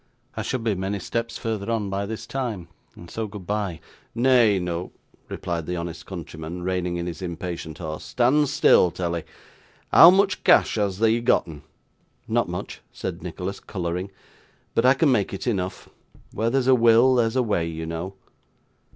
'I should be many steps further on by this time, and so goodbye!' 'Nay noo,' replied the honest countryman, reining in his impatient horse, 'stan' still, tellee. Hoo much cash hast thee gotten?' 'Not much,' said Nicholas, colouring, 'but I can make it enough. Where there's a will, there's a way, you know.